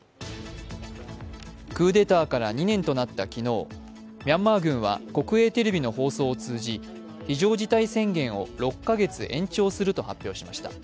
クーデターから２年となった昨日、ミャンマー軍は国営テレビの放送を通じ、非常事態宣言を６か月延長すると発表しました。